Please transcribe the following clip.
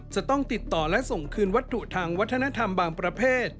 จะต้องติดต่อและส่งคืนวัตถุทางวัฒนธรรมบางประเภท